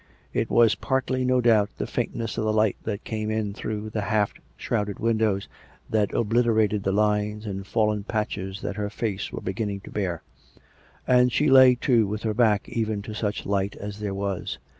It was partly, no doubt, the faintness of the light that came in through the half shrouded windows that obliterated the lines and fallen patches that her face was beginning to bear ; and she lay, too, with her bade even to such light as there was.